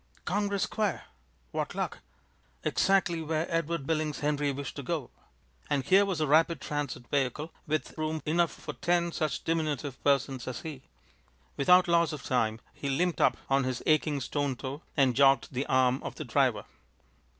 Congress Square! What luck! Exactly where Edward Billings Henry wished to go! And here was a rapid transit vehicle, with room enough for ten such diminutive persons as he! Without loss of time, he limped up on his aching stone toe and jogged the arm of the driver.